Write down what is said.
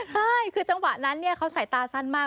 ใช่คือจังหวะนั้นเขาใส่ตาสั้นมาก